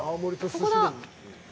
ここだ。